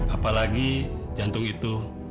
apalagi jantung itu